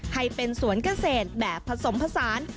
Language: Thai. ให้เป็นสวนเกษตรแบบผสมผสาน